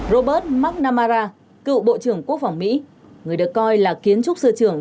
robert mrcnamara cựu bộ trưởng quốc phòng mỹ người được coi là kiến trúc sư trưởng